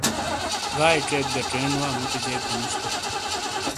گائیے چیک گہ چینڈ وا مُتی جیک گہ نُش تو۔